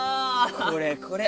これこれ。